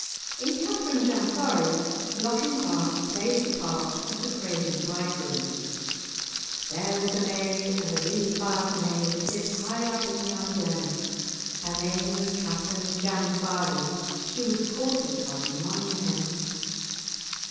In "Katharine Janfarie" Lochinvar plays the part of the craven bridegroom. There was a may,[#] and a weel far'd may, Lived high up in yon glen; Her name was Katharine Janfarie, She was courted by mony men. [#] maiden.